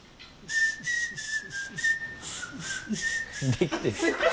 できてる